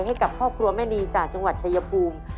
ให้กับครอบครัวแม่นีจากจังหวัดชายภูมิ